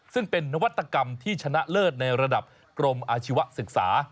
ซึ่งเป็นนวัตกรรมที่ชนะเลิศในระดับกรมอาชีวศึกษา